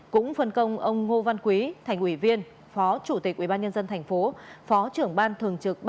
cũng phân công ông ngô văn quý thành ủy viên phó chủ tịch ubnd tp phó trưởng ban thường trực